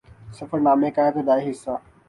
سفر نامے کا ابتدائی حصہ